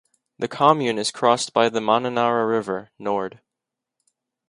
The commune is crossed by the Mananara river (Nord).